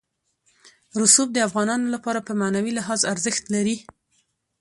رسوب د افغانانو لپاره په معنوي لحاظ ارزښت لري.